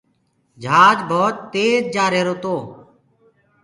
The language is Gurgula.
جھآج ڀوت تيج جآ رهيرو تو۔